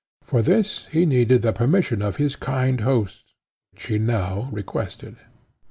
For this he needed the permission of his kind host, which he now requested.